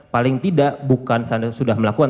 paling tidak bukan sudah melakukan